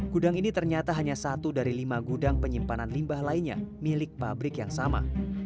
gudang ini ternyata hanya satu dari lima gudang penyimpanan limbah lainnya milik pabrik yang sama